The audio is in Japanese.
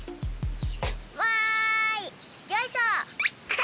わいよいしょ！